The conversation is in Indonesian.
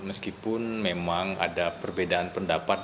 meskipun memang ada perbedaan pendapat